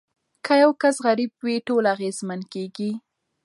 که یو کس غریب وي ټول اغیزمن کیږي.